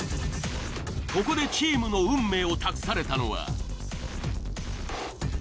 ここでチームの運命を託されたのは。